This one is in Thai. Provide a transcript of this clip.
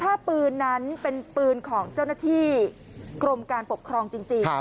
ถ้าปืนนั้นเป็นปืนของเจ้าหน้าที่กรมการปกครองจริง